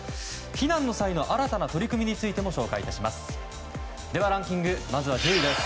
避難の際の新たな取り組みについても紹介いたします。